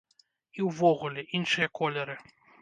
І ўвогуле, іншыя колеры.